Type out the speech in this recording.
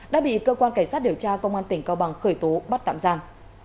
đã bị cơ quan cảnh sát điều tra công an tỉnh cao bằng khởi tố bắt tạm giam